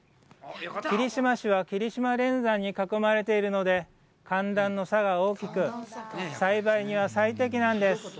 霧島市は霧島連山に囲まれているので寒暖の差が大きく、栽培には最適なんです。